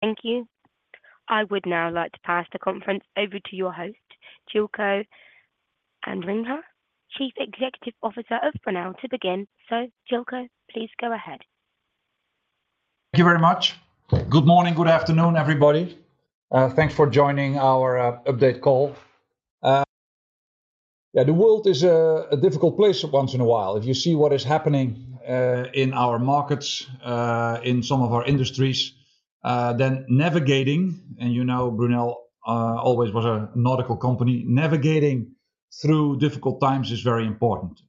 Thank you. I would now like to pass the conference over to your host, Jilko Andringa, Chief Executive Officer of Brunel, to begin. Jilko, please go ahead. Thank you very much. Good morning, good afternoon, everybody. Thanks for joining our update call. Yeah, the world is a difficult place once in a while. If you see what is happening in our markets, in some of our industries, then navigating, and you know Brunel always was a nautical company. Navigating through difficult times is very important.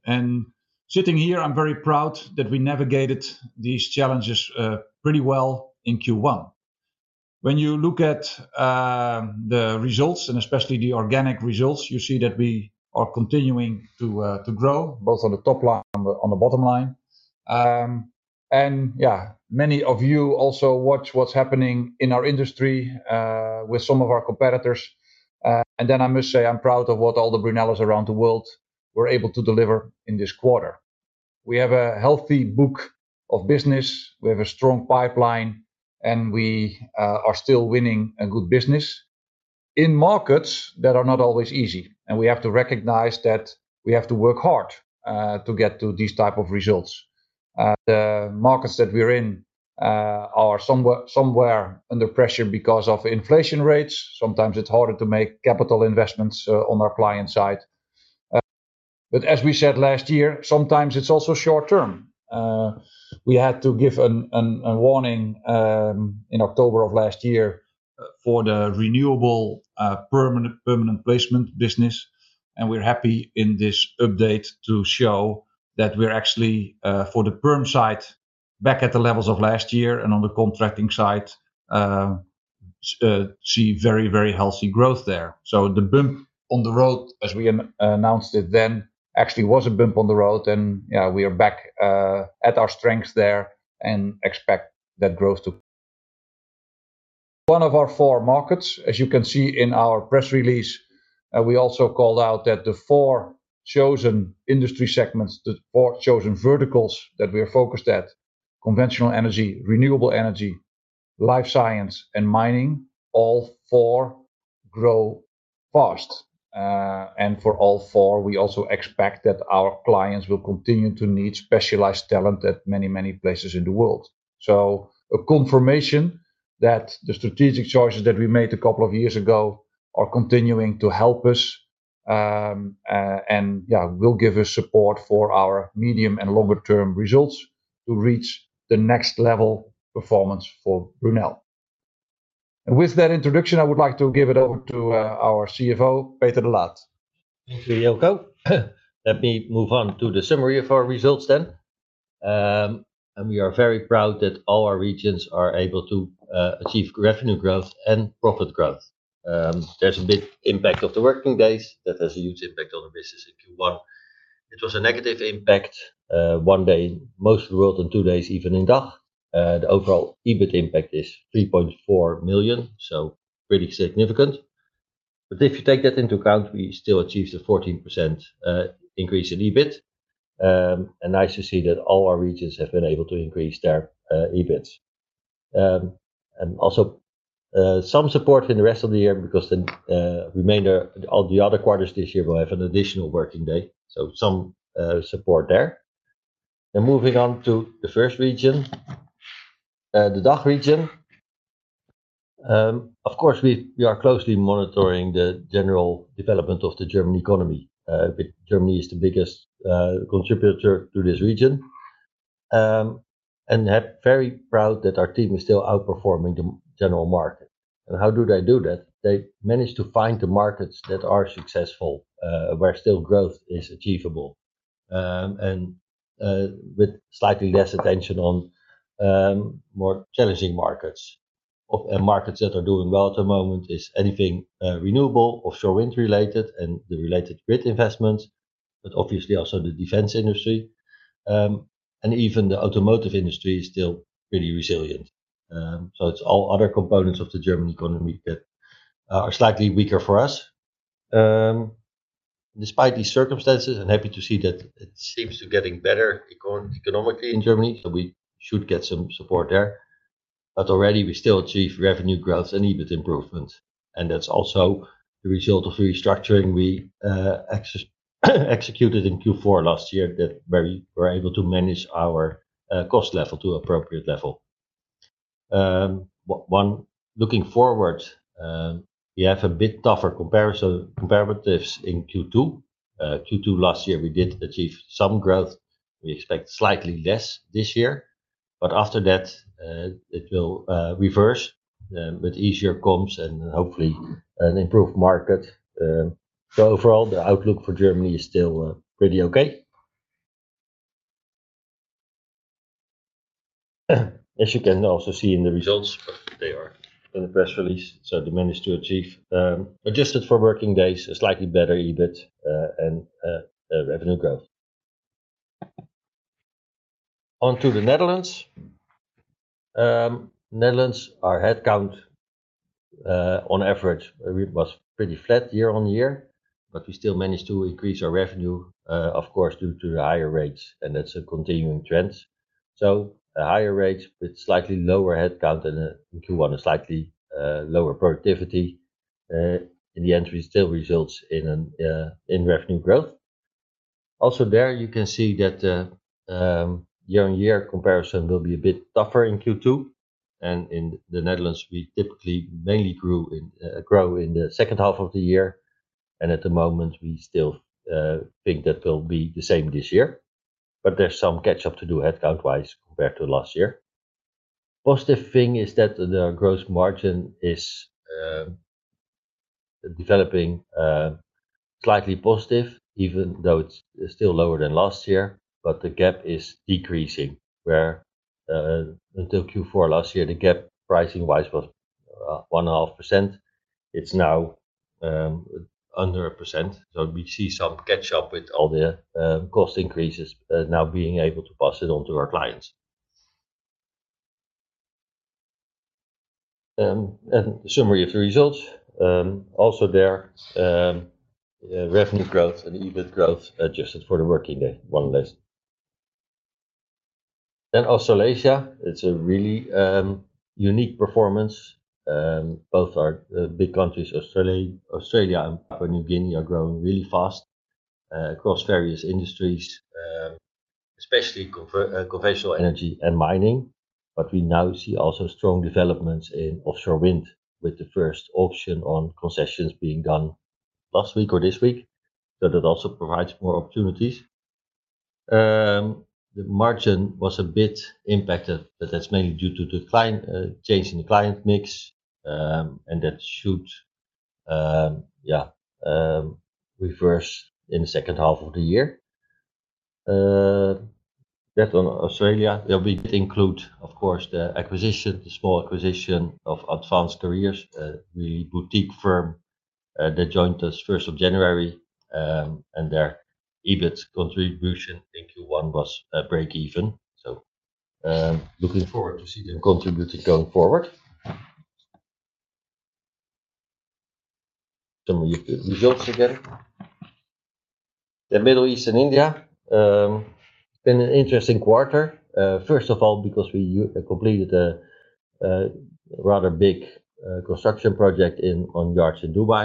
Sitting here, I'm very proud that we navigated these challenges pretty well in Q1. When you look at the results and especially the organic results, you see that we are continuing to grow both on the top line and on the bottom line. Yeah, many of you also watch what's happening in our industry with some of our competitors. And then I must say, I'm proud of what all the Brunellers around the world were able to deliver in this quarter. We have a healthy book of business, we have a strong pipeline, and we are still winning a good business in markets that are not always easy. And we have to recognize that we have to work hard to get to these type of results. The markets that we're in are somewhere, somewhere under pressure because of inflation rates. Sometimes it's harder to make capital investments on our client side. But as we said last year, sometimes it's also short term. We had to give a warning in October of last year for the renewable permanent placement business, and we're happy in this update to show that we're actually for the perm side, back at the levels of last year and on the contracting side, see very, very healthy growth there. So the bump on the road, as we announced it then, actually was a bump on the road and, yeah, we are back at our strength there and expect that growth to... One of our four markets, as you can see in our press release, and we also called out that the four chosen industry segments, the four chosen verticals that we are focused at, conventional energy, renewable energy, life science, and mining, all four grow fast. For all four, we also expect that our clients will continue to need specialized talent at many, many places in the world. A confirmation that the strategic choices that we made a couple of years ago are continuing to help us, and yeah, will give us support for our medium and longer term results to reach the next level performance for Brunel. With that introduction, I would like to give it over to our CFO, Peter de Laat. Thank you, Jilko. Let me move on to the summary of our results then. We are very proud that all our regions are able to achieve revenue growth and profit growth. There's a big impact of the working days. That has a huge impact on the business in Q1. It was a negative impact, one day in most of the world, and two days, even in DACH. The overall EBIT impact is 3.4 million, so pretty significant. But if you take that into account, we still achieved a 14% increase in EBIT. And nice to see that all our regions have been able to increase their EBITs. And also, some support in the rest of the year because the remainder, all the other quarters this year will have an additional working day. So some support there. And moving on to the first region, the DACH region. Of course, we are closely monitoring the general development of the German economy. Germany is the biggest contributor to this region. And I'm very proud that our team is still outperforming the general market. And how do they do that? They manage to find the markets that are successful, where still growth is achievable, and with slightly less attention on more challenging markets. And markets that are doing well at the moment is anything renewable, offshore wind related and the related grid investments, but obviously also the defense industry, and even the automotive industry is still pretty resilient. So it's all other components of the German economy that are slightly weaker for us. Despite these circumstances, I'm happy to see that it seems to getting better economically in Germany, so we should get some support there. But already we still achieve revenue growth and EBIT improvement, and that's also the result of restructuring we executed in Q4 last year, that we were able to manage our cost level to appropriate level. One, looking forward, we have a bit tougher comparison, comparatives in Q2. Q2 last year, we did achieve some growth. We expect slightly less this year, but after that, it will reverse with easier comps and hopefully an improved market. So overall, the outlook for Germany is still pretty okay. As you can also see in the results, they are in the press release, so they managed to achieve, adjusted for working days, a slightly better EBIT, and a revenue growth. On to the Netherlands. Netherlands, on average, it was pretty flat year-on-year, but we still managed to increase our revenue, of course, due to the higher rates, and that's a continuing trend. So higher rates with slightly lower headcount in Q1 and slightly lower productivity, in the end, still results in an in revenue growth. Also there, you can see that the year-on-year comparison will be a bit tougher in Q2. And in the Netherlands, we typically mainly grow in the second half of the year, and at the moment, we still think that will be the same this year. But there's some catch-up to do headcount-wise compared to last year. Positive thing is that the gross margin is developing slightly positive, even though it's still lower than last year, but the gap is decreasing, where until Q4 last year, the gap pricing-wise was 1.5%. It's now under 1%, so we see some catch up with all the cost increases now being able to pass it on to our clients. Summary of the results also there revenue growth and EBIT growth adjusted for the working day, one less. Then also Asia, it's a really unique performance. Both our big countries, Australia, Australia and Papua New Guinea, are growing really fast across various industries, especially conventional energy and mining. But we now see also strong developments in offshore wind, with the first auction on concessions being done last week or this week. So that also provides more opportunities. The margin was a bit impacted, but that's mainly due to the client change in the client mix. And that should, yeah, reverse in the second half of the year. That on Australia, we include, of course, the acquisition, the small acquisition of Advance Careers, the boutique firm, that joined us first of January, and their EBIT contribution in Q1 was breakeven. So, looking forward to see them contribute going forward. Then we look the results together. The Middle East and India been an interesting quarter. First of all, because we completed a rather big construction project in, on yards in Dubai.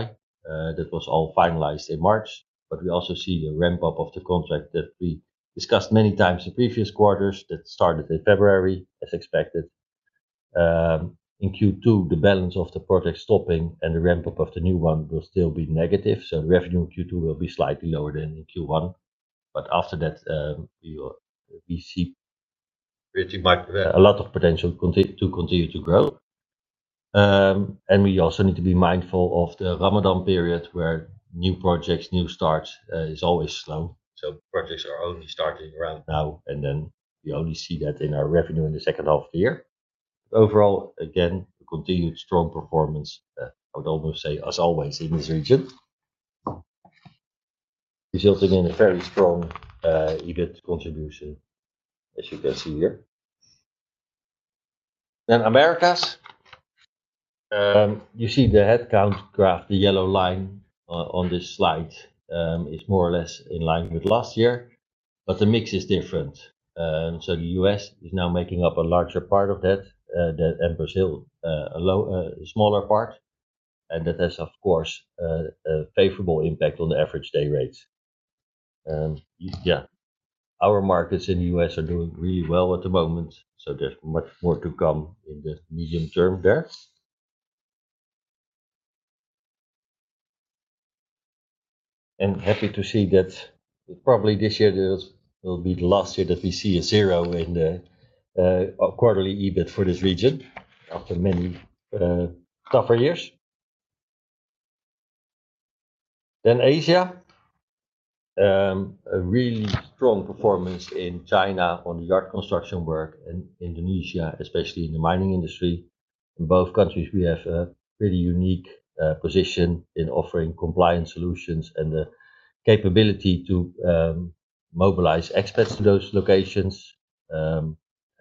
That was all finalized in March, but we also see a ramp-up of the contract that we discussed many times in previous quarters that started in February, as expected. In Q2, the balance of the project stopping and the ramp-up of the new one will still be negative, so revenue in Q2 will be slightly lower than in Q1. But after that, we see pretty much a lot of potential to continue to grow. And we also need to be mindful of the Ramadan period, where new projects, new starts, is always slow, so projects are only starting around now, and then we only see that in our revenue in the second half of the year. Overall, again, continued strong performance, I would almost say, as always in this region, resulting in a very strong EBIT contribution, as you can see here. Then Americas. You see the headcount graph, the yellow line, on this slide, is more or less in line with last year, but the mix is different. And so the US is now making up a larger part of that, than, and Brazil, a smaller part, and that has, of course, a favorable impact on the average day rates. Yeah, our markets in the US are doing really well at the moment, so there's much more to come in the medium term there. I'm happy to see that probably this year is, will be the last year that we see a 0 in the quarterly EBIT for this region after many tougher years. Then Asia, a really strong performance in China on the yard construction work, and Indonesia, especially in the mining industry. In both countries, we have a pretty unique position in offering compliant solutions and the capability to mobilize experts to those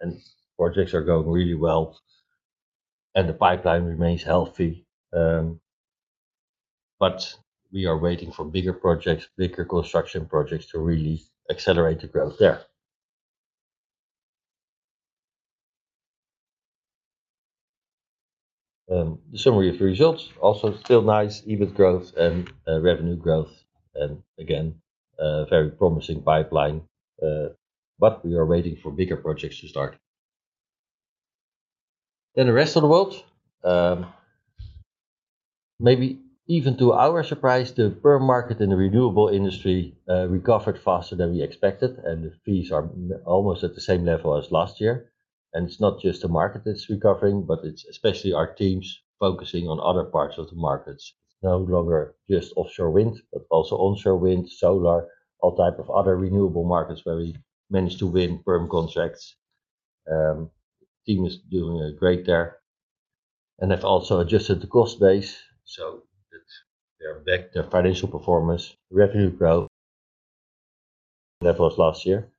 locations. And projects are going really well, and the pipeline remains healthy, but we are waiting for bigger projects, bigger construction projects to really accelerate the growth there. The summary of the results, also still nice EBIT growth and revenue growth, and again, a very promising pipeline, but we are waiting for bigger projects to start. Then the rest of the world, maybe even to our surprise, the perm market in the renewable industry recovered faster than we expected, and the fees are almost at the same level as last year. And it's not just the market that's recovering, but it's especially our teams focusing on other parts of the markets. It's no longer just offshore wind, but also onshore wind, solar, all type of other renewable markets where we managed to win perm contracts. Team is doing great there, and they've also adjusted the cost base so that they are back to financial performance, revenue growth. That was last year,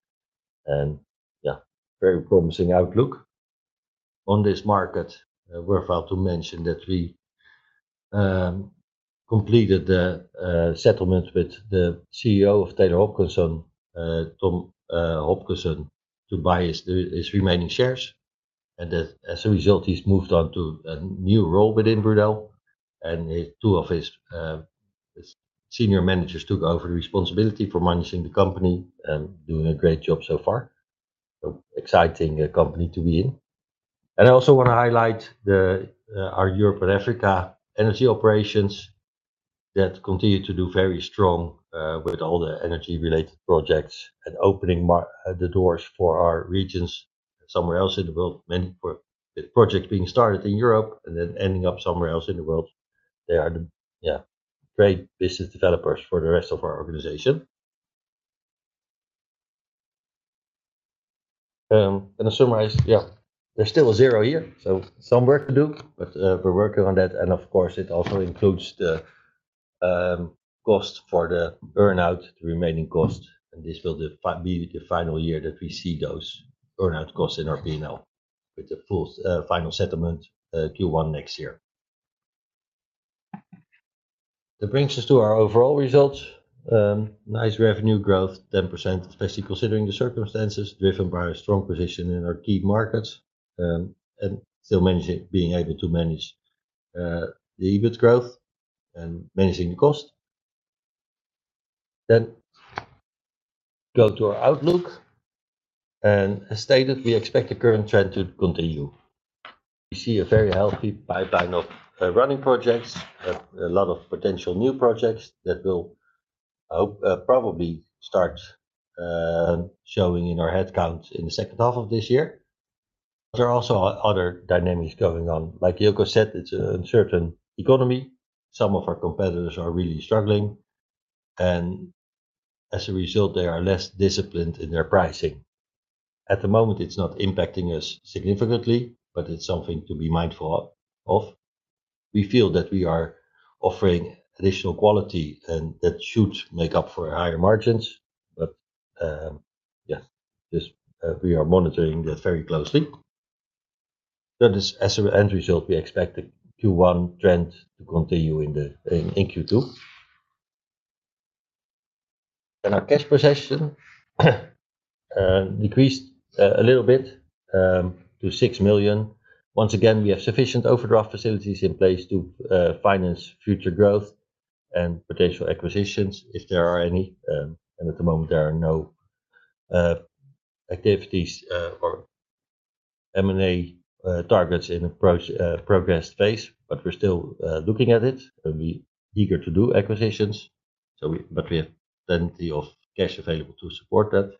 and yeah, very promising outlook. On this market, worthwhile to mention that we completed the settlement with the CEO of Taylor Hopkinson, Tom Hopkinson, to buy his remaining shares, and as a result, he's moved on to a new role within Brunel, and two of his senior managers took over responsibility for managing the company and doing a great job so far. So exciting company to be in. And I also want to highlight our Europe and Africa energy operations that continue to do very strong, with all the energy-related projects and opening the doors for our regions somewhere else in the world. Many of the projects being started in Europe and then ending up somewhere else in the world. They are great business developers for the rest of our organization. And to summarize, yeah, there's still a zero here, so some work to do, but, we're working on that, and of course, it also includes the cost for the earn-out, the remaining cost, and this will be the final year that we see those earn-out costs in our P&L, with the full final settlement, Q1 next year. That brings us to our overall results. Nice revenue growth, 10%, especially considering the circumstances, driven by our strong position in our key markets, and still managing... Being able to manage the EBIT growth and managing the cost. Then go to our outlook, and as stated, we expect the current trend to continue. We see a very healthy pipeline of running projects, a lot of potential new projects that will, I hope, probably start showing in our headcounts in the second half of this year. There are also other dynamics going on. Like Jilko said, it's an uncertain economy. Some of our competitors are really struggling, and as a result, they are less disciplined in their pricing. At the moment, it's not impacting us significantly, but it's something to be mindful of. We feel that we are offering additional quality, and that should make up for higher margins, but, yeah, just, we are monitoring that very closely. So as an end result, we expect the Q1 trend to continue in the Q2. Our cash position decreased a little bit to 6 million. Once again, we have sufficient overdraft facilities in place to finance future growth and potential acquisitions, if there are any. And at the moment, there are no activities or M&A targets in approach progressed phase, but we're still looking at it and be eager to do acquisitions. But we have plenty of cash available to support that,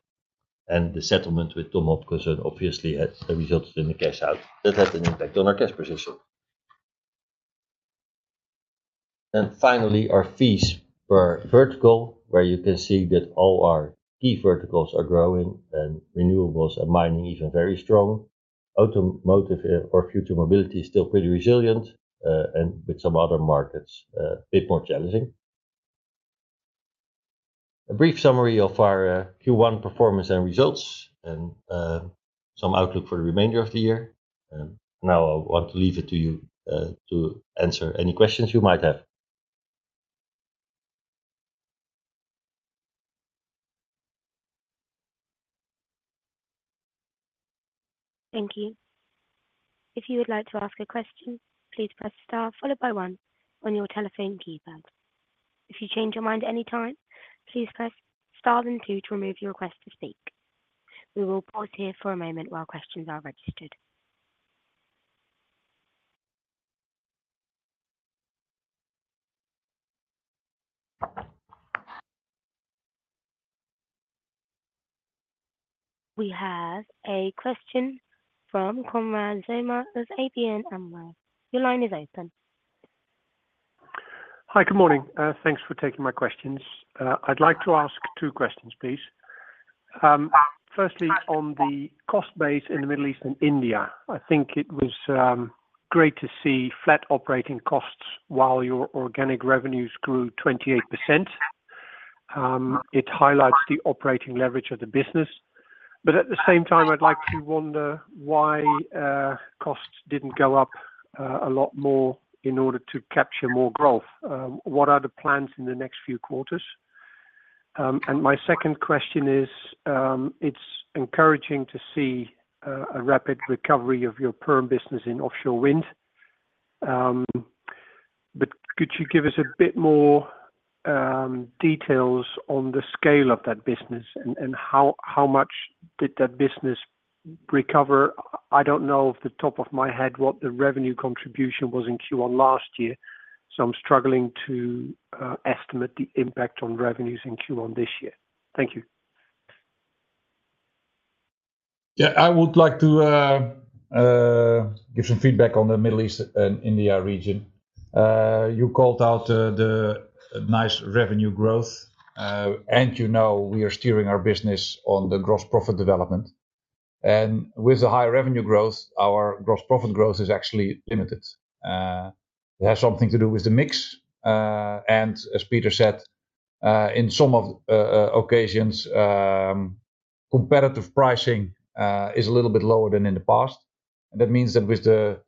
and the settlement with Tom Hopkinson obviously has resulted in the cash out. That has an impact on our cash position. And finally, our fees per vertical, where you can see that all our key verticals are growing and renewables and mining even very strong. Automotive or future mobility is still pretty resilient, and with some other markets a bit more challenging. A brief summary of our Q1 performance and results and some outlook for the remainder of the year, and now I want to leave it to you to answer any questions you might have. Thank you. If you would like to ask a question, please press star followed by one on your telephone keypad. If you change your mind at any time, please press star then two to remove your request to speak. We will pause here for a moment while questions are registered. We have a question from Konrad Zomer of ABN AMRO. Your line is open. Hi, good morning. Thanks for taking my questions. I'd like to ask two questions, please. Firstly, on the cost base in the Middle East and India, I think it was great to see flat operating costs while your organic revenues grew 28%. It highlights the operating leverage of the business, but at the same time, I'd like to wonder why costs didn't go up a lot more in order to capture more growth. What are the plans in the next few quarters? And my second question is, it's encouraging to see a rapid recovery of your perm business in offshore wind. But could you give us a bit more details on the scale of that business and how much did that business recover? I don't know off the top of my head what the revenue contribution was in Q1 last year, so I'm struggling to estimate the impact on revenues in Q1 this year. Thank you. Yeah. I would like to give some feedback on the Middle East and India region. You called out the nice revenue growth, and you know, we are steering our business on the gross profit development. With the high revenue growth, our gross profit growth is actually limited. It has something to do with the mix, and as Peter said, in some occasions, competitive pricing is a little bit lower than in the past. And that means that with the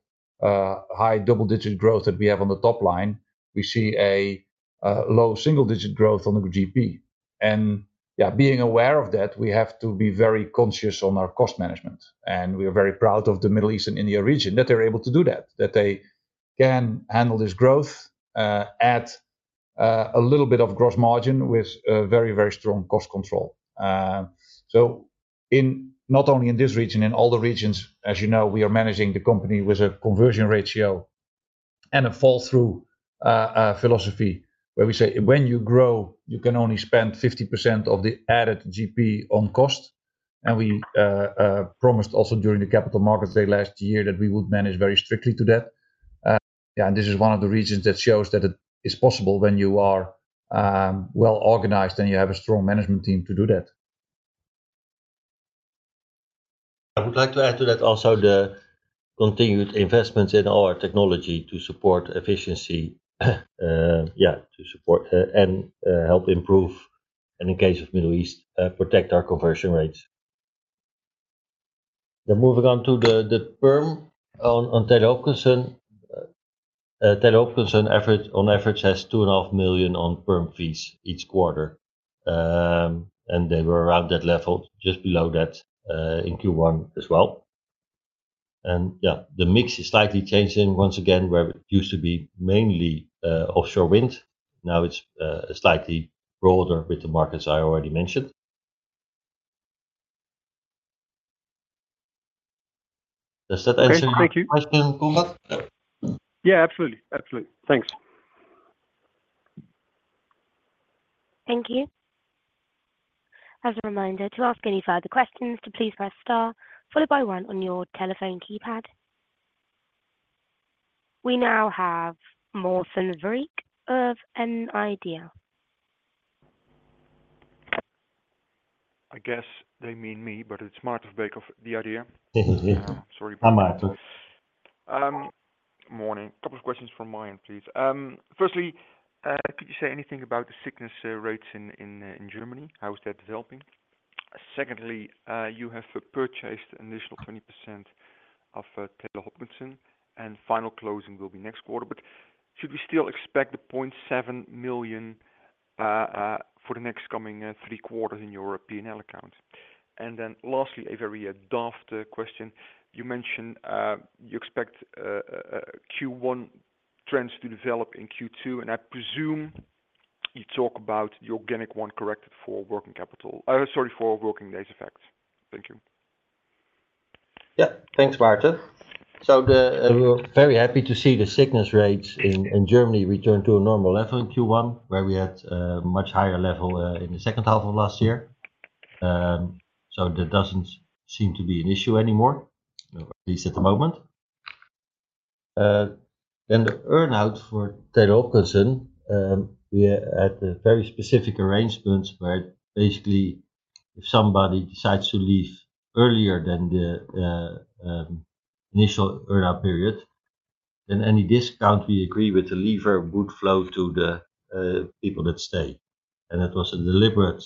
high double-digit growth that we have on the top line, we see a low single-digit growth on the GP. And yeah, being aware of that, we have to be very conscious on our cost management, and we are very proud of the Middle East and India region, that they're able to do that, that they can handle this growth, at a little bit of gross margin with very, very strong cost control. So in not only in this region, in all the regions, as you know, we are managing the company with a conversion ratio and a fall-through philosophy, where we say, "When you grow, you can only spend 50% of the added GP on cost." And we promised also during the Capital Markets Day last year that we would manage very strictly to that. Yeah, and this is one of the regions that shows that it is possible when you are well-organized, and you have a strong management team to do that. I would like to add to that also the continued investments in our technology to support efficiency, to support and help improve, and in case of Middle East, protect our conversion rates. Then moving on to the perm on Taylor Hopkinson. Taylor Hopkinson average, on average, has 2.5 million on perm fees each quarter. And they were around that level, just below that, in Q1 as well. And the mix is slightly changing once again, where it used to be mainly offshore wind. Now, it's slightly broader with the markets I already mentioned. Does that answer your question, Konrad? Yeah, absolutely. Absolutely. Thanks. Thank you. As a reminder, to ask any further questions, to please press star, followed by one on your telephone keypad. We now have Maarten Verbeek of The Idea. I guess they mean me, but it's Maarten Verbeek of The Idea. Yeah. Hi, Maarten. Morning. Couple of questions from my end, please. Firstly, could you say anything about the sickness rates in Germany? How is that developing? Secondly, you have purchased an initial 20% of Taylor Hopkinson, and final closing will be next quarter, but should we still expect the 0.7 million for the next coming three quarters in your P&L account? And then lastly, a very daft question: you mentioned you expect Q1 trends to develop in Q2, and I presume you talk about the organic one, corrected for working capital... Sorry, for working days effect. Thank you. Yeah, thanks, Maarten. So we're very happy to see the sickness rates in Germany return to a normal level in Q1, where we had much higher level in the second half of last year. So that doesn't seem to be an issue anymore, at least at the moment. Then the earn-out for Taylor Hopkinson, we had a very specific arrangements where basically, if somebody decides to leave earlier than the initial earn-out period, then any discount we agree with the leaver would flow to the people that stay. And that was a deliberate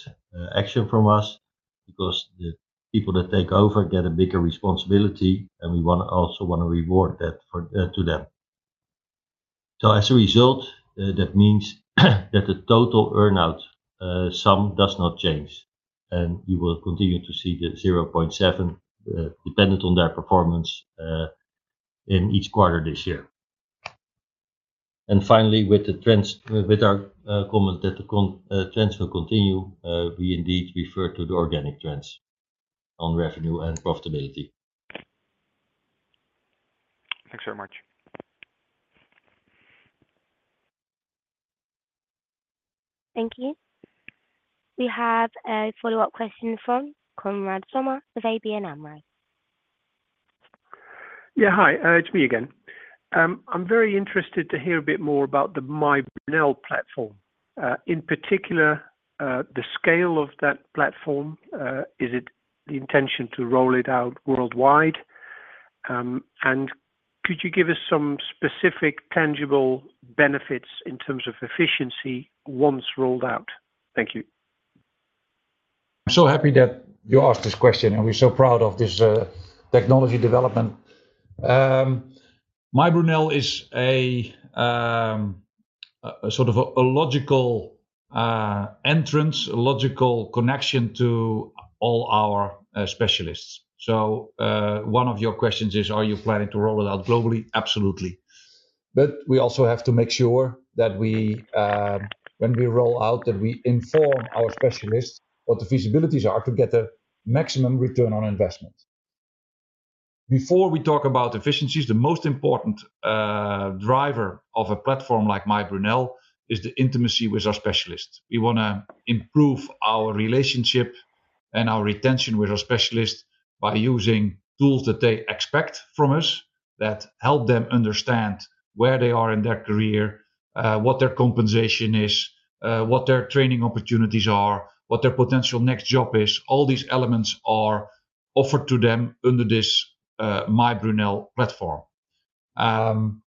action from us because the people that take over get a bigger responsibility, and we wanna also wanna reward that for to them. As a result, that means that the total earn-out sum does not change, and you will continue to see the 0.7 dependent on their performance in each quarter this year. Finally, with the trends, with our comment that the trends will continue, we indeed refer to the organic trends on revenue and profitability. Thanks very much. Thank you. We have a follow-up question from Konrad Zomer of ABN AMRO. Yeah, hi. It's me again. I'm very interested to hear a bit more about the MyBrunel platform. In particular, the scale of that platform, is it the intention to roll it out worldwide? And could you give us some specific, tangible benefits in terms of efficiency once rolled out? Thank you. I'm so happy that you asked this question, and we're so proud of this, technology development. MyBrunel is a sort of logical entrance, a logical connection to all our specialists. So, one of your questions is, are you planning to roll it out globally? Absolutely. But we also have to make sure that we, when we roll out, that we inform our specialists what the feasibilities are to get the maximum return on investment. Before we talk about efficiencies, the most important driver of a platform like MyBrunel is the intimacy with our specialists. We wanna improve our relationship and our retention with our specialists by using tools that they expect from us, that help them understand where they are in their career.... What their compensation is, what their training opportunities are, what their potential next job is. All these elements are offered to them under this MyBrunel platform. And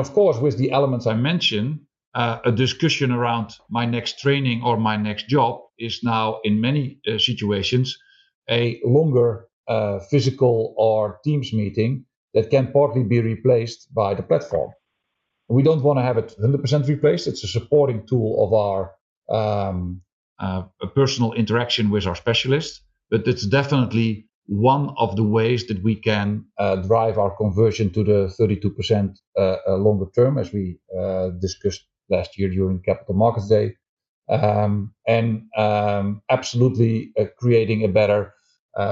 of course, with the elements I mentioned, a discussion around my next training or my next job is now in many situations a longer physical or Teams meeting that can partly be replaced by the platform. We don't wanna have it 100% replaced. It's a supporting tool of our personal interaction with our specialists, but it's definitely one of the ways that we can drive our conversion to the 32%, longer term, as we discussed last year during Capital Markets Day. And absolutely creating a better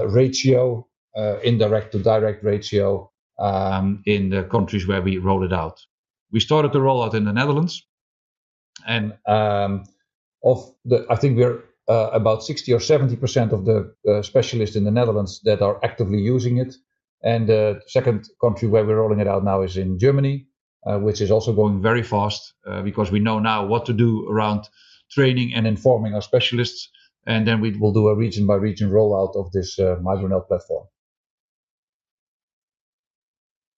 ratio, indirect to direct ratio, in the countries where we roll it out. We started to roll out in the Netherlands, and I think we are about 60% or 70% of the specialists in the Netherlands that are actively using it. The second country where we're rolling it out now is in Germany, which is also going very fast, because we know now what to do around training and informing our specialists, and then we will do a region by region rollout of this MyBrunel platform.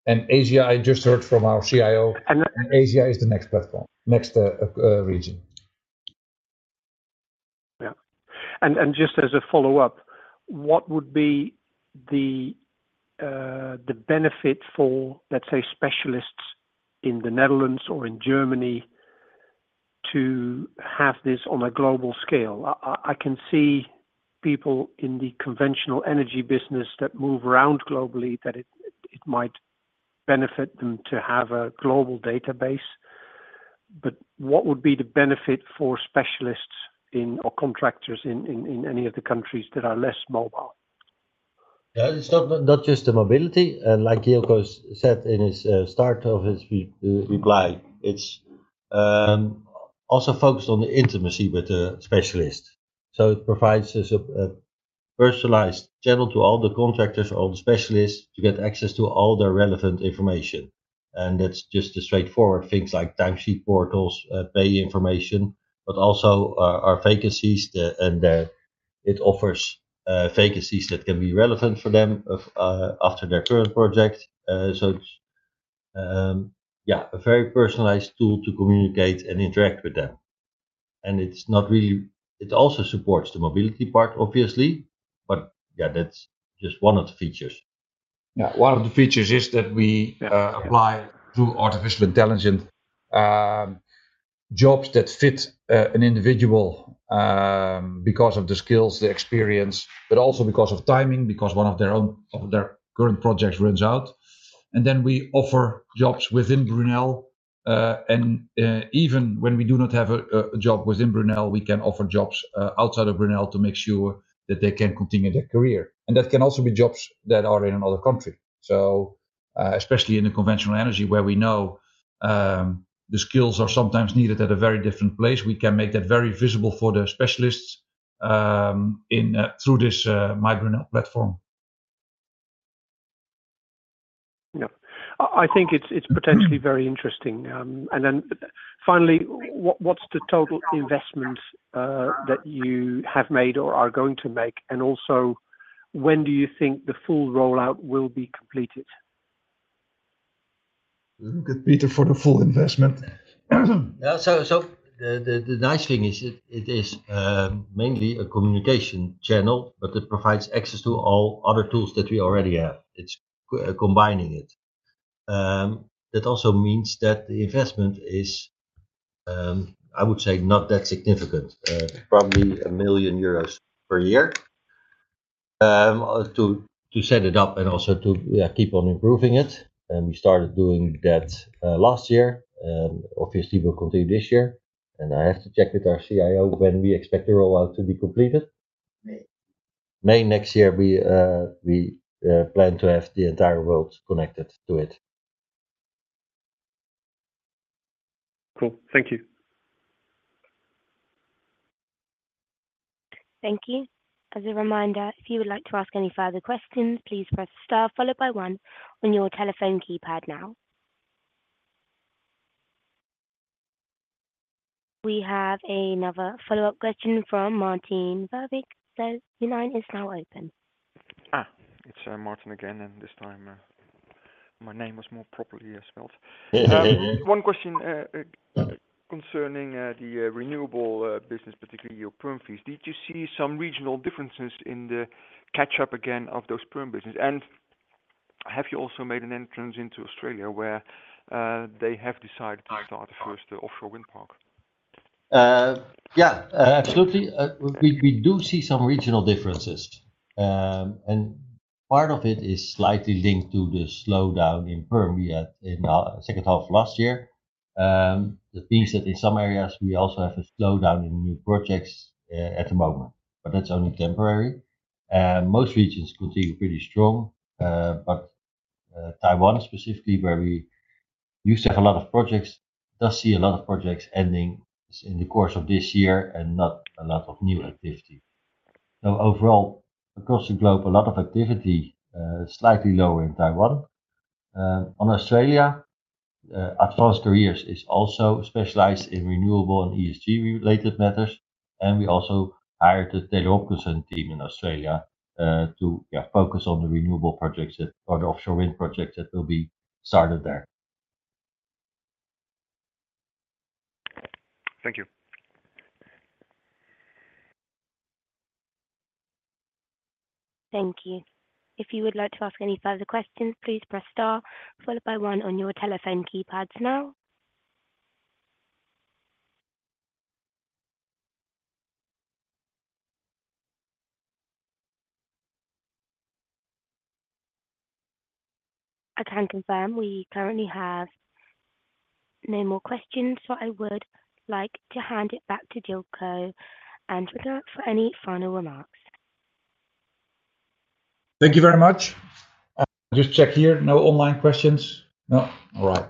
Asia, I just heard from our CIO- And, uh- Asia is the next platform, next, region. Yeah. And just as a follow-up, what would be the benefit for, let's say, specialists in the Netherlands or in Germany to have this on a global scale? I can see people in the conventional energy business that move around globally, that it might benefit them to have a global database, but what would be the benefit for specialists in... or contractors in any of the countries that are less mobile? Yeah, it's not just the mobility, and like Jilko Andringa said in his start of his reply, it's also focused on the intimacy with the specialist. So it provides us a personalized channel to all the contractors or the specialists to get access to all the relevant information, and that's just the straightforward things like timesheet portals, pay information, but also our vacancies, the and the, it offers vacancies that can be relevant for them of after their current project. So yeah, a very personalized tool to communicate and interact with them. And it's not really. It also supports the mobility part, obviously, but yeah, that's just one of the features. Yeah. One of the features is that we, Yeah apply through artificial intelligence jobs that fit an individual because of the skills, the experience, but also because of timing, because one of their own current projects runs out, and then we offer jobs within Brunel. And even when we do not have a job within Brunel, we can offer jobs outside of Brunel to make sure that they can continue their career. And that can also be jobs that are in another country. So especially in the conventional energy, where we know the skills are sometimes needed at a very different place, we can make that very visible for the specialists in through this MyBrunel platform. Yeah. I think it's potentially very interesting. And then finally, what's the total investment that you have made or are going to make? And also, when do you think the full rollout will be completed? We look at Peter for the full investment. Yeah, so the nice thing is, it is mainly a communication channel, but it provides access to all other tools that we already have. It's combining it. That also means that the investment is, I would say not that significant, probably 1 million euros per year, to set it up and also to, yeah, keep on improving it. And we started doing that last year, obviously will continue this year, and I have to check with our CIO when we expect the rollout to be completed. May. May next year, we plan to have the entire world connected to it. Cool. Thank you. Thank you. As a reminder, if you would like to ask any further questions, please press star followed by one on your telephone keypad now. We have another follow-up question from Maarten Verbeek. So your line is now open. Ah, it's Maarten again, and this time my name was more properly spelled. One question concerning the renewable business, particularly your perm fees. Did you see some regional differences in the catch up again of those perm business? And have you also made an entrance into Australia where they have decided to start the first offshore wind park? Yeah, absolutely. We do see some regional differences, and part of it is slightly linked to the slowdown in perm we had in second half of last year. That means that in some areas, we also have a slowdown in new projects at the moment, but that's only temporary. Most regions continue pretty strong, but Taiwan specifically, where we used to have a lot of projects, does see a lot of projects ending in the course of this year and not a lot of new activity. So overall, across the globe, a lot of activity, slightly lower in Taiwan. In Australia, Advance Careers is also specialized in renewable and ESG-related matters, and we also hired a Taylor Hopkinson team in Australia, to yeah focus on the renewable projects or the offshore wind projects that will be started there. Thank you. Thank you. If you would like to ask any further questions, please press star followed by one on your telephone keypads now. I can confirm we currently have no more questions, so I would like to hand it back to Jilko Andringa and Peter de Laat for any final remarks. Thank you very much. Just check here. No online questions? No. All right.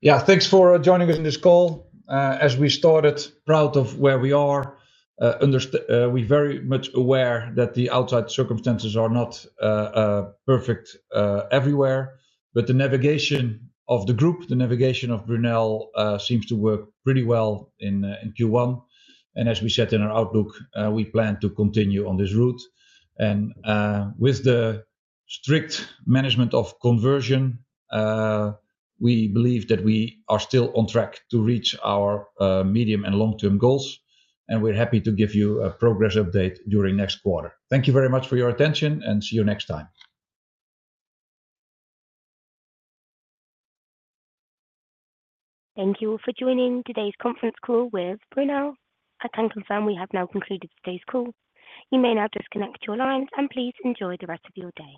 Yeah, thanks for joining us in this call. As we started, proud of where we are, we're very much aware that the outside circumstances are not perfect everywhere, but the navigation of the group, the navigation of Brunel, seems to work pretty well in Q1. And as we said in our outlook, we plan to continue on this route. And with the strict management of conversion, we believe that we are still on track to reach our medium and long-term goals, and we're happy to give you a progress update during next quarter. Thank you very much for your attention, and see you next time. Thank you all for joining today's conference call with Brunel. I can confirm we have now concluded today's call. You may now disconnect your lines, and please enjoy the rest of your day.